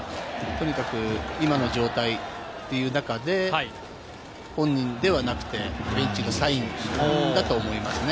とにかく今の状態という中で、本人ではなくて、ベンチのサインだと思いますね。